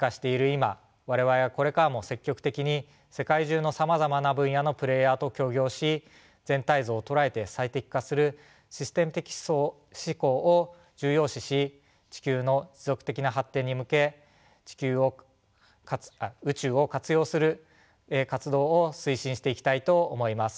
今我々はこれからも積極的に世界中のさまざまな分野のプレーヤーと協業し全体像を捉えて最適化するシステム的思考を重要視し地球の持続的な発展に向け宇宙を活用する活動を推進していきたいと思います。